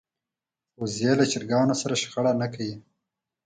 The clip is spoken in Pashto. وزې د چرګانو سره شخړه نه کوي